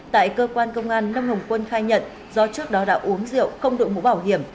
tại cơ quan công an lâm hồng quân khai nhận do trước đó đã uống rượu không đội mũ bảo hiểm